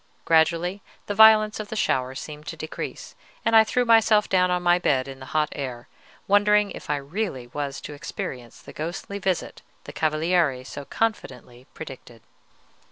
Gradually the violence of the shower seemed to decrease, and I threw myself down on my bed in the hot air, wondering if I really was to experience the ghostly visit the Cavaliere so confidently predicted.